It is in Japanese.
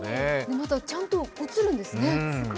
また、ちゃんとうつるんですね。